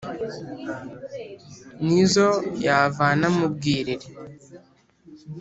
n’izo yavana mu bwiriri